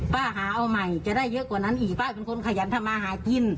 ป้าหาเอาใหม่จะได้เยอะกว่านั้นอีกป้าเป็นคนขยันทำมาหากิน